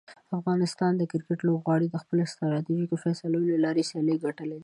د افغانستان کرکټ لوبغاړو د خپلو ستراتیژیکو فیصلو له لارې سیالۍ ګټلي دي.